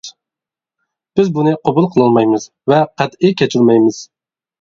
بىز بۇنى قوبۇل قىلالمايمىز ۋە قەتئىي كەچۈرمەيمىز.